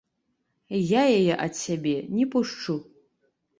І яе ад сябе не пушчу.